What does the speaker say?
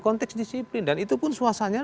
konteks disiplin dan itu pun suasananya